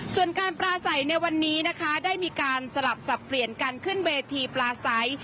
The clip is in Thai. ส่วนการปลาใสในวันนี้นะคะได้มีการสลับสับเปลี่ยนการขึ้นเวทีปลาใส